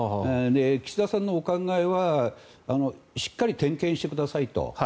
岸田さんのお考えはしっかり点検してくださいと。